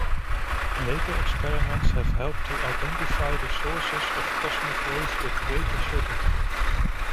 Later experiments have helped to identify the sources of cosmic rays with greater certainty.